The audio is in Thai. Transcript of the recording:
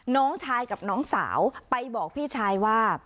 น้องชายกับน้องสาวไปบอกพี่ชายว่า